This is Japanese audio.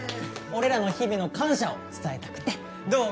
俺らの日々の感謝を伝えたくてどう？